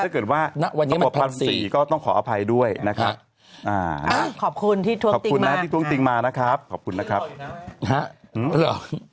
คือจากเมื่อวานเขาบอกว่าจากเปิดตลาดโลกก็คือ